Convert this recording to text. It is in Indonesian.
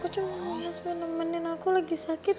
aku cuma mau mas be nemenin aku lagi sakit